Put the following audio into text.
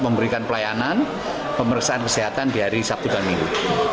memberikan pelayanan pemeriksaan kesehatan di hari sabtu dan minggu